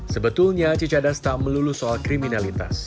sebetulnya cicadas tak melulu soal kriminalitas